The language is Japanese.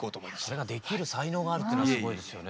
それができる才能があるっていうのはすごいですよね。